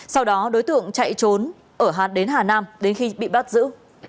sau đó đối tượng chạy trốn ở hạt đến hà nam đến khi bị bắt giữ